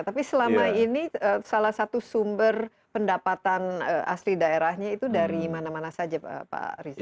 tapi selama ini salah satu sumber pendapatan asli daerahnya itu dari mana mana saja pak riza